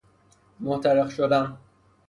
محترق شدن